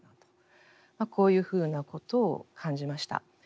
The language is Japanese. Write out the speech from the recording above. こういうふうなことを感じました。